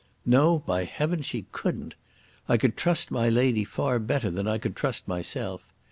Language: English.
No, by heavens, she couldn't. I could trust my lady far better than I could trust myself.